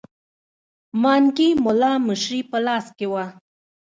مانکي مُلا مشري په لاس کې وه.